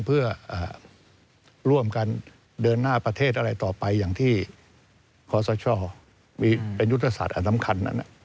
เพื่อร่วมกันเดินหน้าประเทศอะไรต่อไปอย่างที่ขอสชเป็นยุทธศาสตร์อันสำคัญนั้น